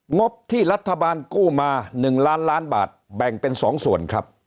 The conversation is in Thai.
งบที่รัฐบาลกู้มา๑ล้านล้านบาทแบ่งเป็น๒ส่วนครับ